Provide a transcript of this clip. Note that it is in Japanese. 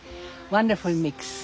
ワンダフルミックス。